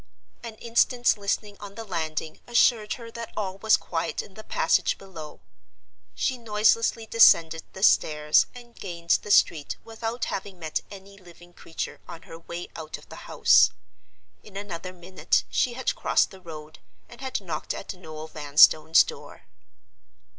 An instant's listening on the landing assured her that all was quiet in the passage below. She noiselessly descended the stairs and gained the street without having met any living creature on her way out of the house. In another minute she had crossed the road, and had knocked at Noel Vanstone's door.